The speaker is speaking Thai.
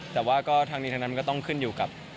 แต่ว่าก็ทั้งนี้ทั้งนั้นก็ต้องขึ้นอยู่กับ